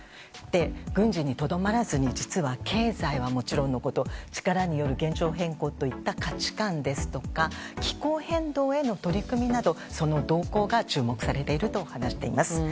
軍事にとどまらずに実は、経済はもちろんのこと力による現状変更といった価値観ですとか気候変動への取り組みなどその動向が注目されていると話しています。